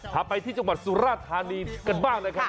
พาไปที่จังหวัดสุราธานีกันบ้างนะครับ